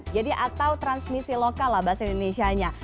jadi atau transmisi lokal bahasa indonesia